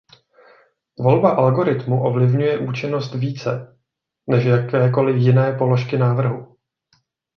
Volba algoritmu ovlivňuje účinnost více než jakékoli jiné položky návrhu.